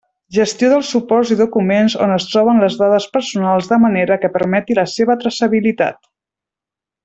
Gestió dels suports i documents on es troben les dades personals de manera que permeti la seva traçabilitat.